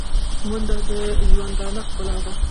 منډه د ژوندانه ښکلا ده